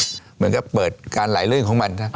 เหมือนกับเปิดการหลายเรื่องของมัน